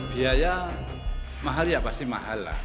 biaya mahal ya pasti mahal lah